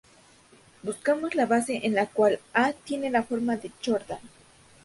Buscamos la base en la cual "A" tiene la forma de Jordan.